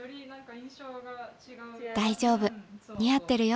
大丈夫似合ってるよ。